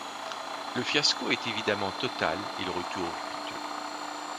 Le fiasco est évidemment total et le retour piteux.